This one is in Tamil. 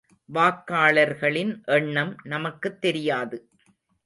வாக்காளர்களின் எண்ணம் நமக்குத் தெரியாது.